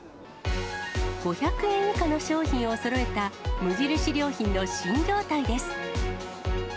５００円以下の商品をそろえた、無印良品の新業態です。